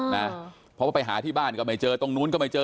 นะเพราะว่าไปหาที่บ้านก็ไม่เจอตรงนู้นก็ไม่เจอ